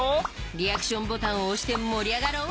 リアクションボタンを押して盛り上がろう！